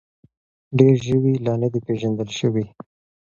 ډېر ژوي لا نه دي پېژندل شوي.